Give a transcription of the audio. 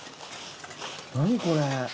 何これ。